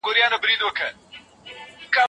نوي محدودیتونه به پلي شي.